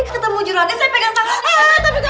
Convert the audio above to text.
ketemu jurannya saya pegang tangan